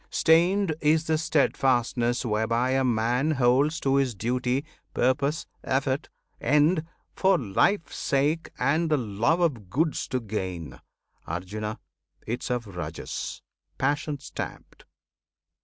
Stained is the steadfastness whereby a man Holds to his duty, purpose, effort, end, For life's sake, and the love of goods to gain, Arjuna! 'tis of Rajas, passion stamped!